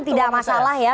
tidak masalah ya